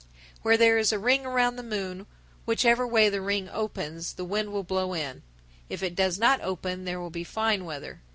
_ 997. Where there is a ring around the moon, whichever way the ring opens; the wind will blow in. If it does not open there will be fine weather.